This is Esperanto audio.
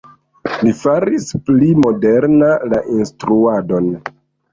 Li faris pli moderna la instruadon.